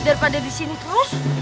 daripada disini terus